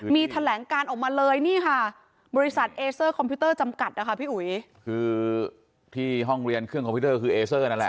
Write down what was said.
มีแถลงการออกมาเลยนี่ค่ะบริษัทเอเซอร์คอมพิวเตอร์จำกัดนะคะพี่อุ๋ยคือที่ห้องเรียนเครื่องคอมพิวเตอร์คือเอเซอร์นั่นแหละ